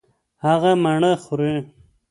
هغه مڼه خوري.